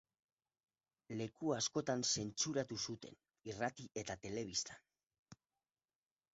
Leku askotan zentsuratu zuten, irrati eta telebistan.